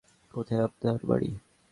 কোথায় আপনার বাড়ি?